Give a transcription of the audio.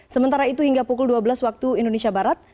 sementara itu hingga pukul dua belas waktu indonesia barat